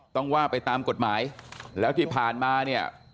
ต้องว่าไปตามกฎหมายแล้วที่ผ่านมาเนี่ย